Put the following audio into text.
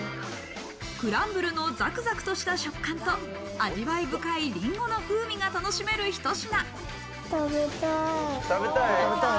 クランブルのザクザクとした食感と、味わい深いリンゴの風味が楽しめるひと品。